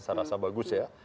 saya rasa bagus ya